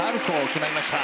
決まりました。